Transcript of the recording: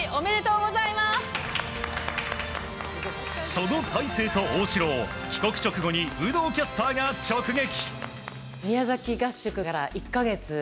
その大勢と大城を、帰国直後に有働キャスターが直撃。